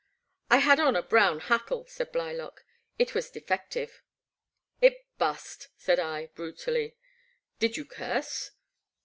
I had on a brown hackle," said Blylock ;it was defective." " It bust," said I, brutally, " did you curse